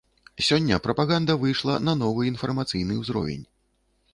Сёння прапаганда выйшла на новы, інфармацыйны ўзровень.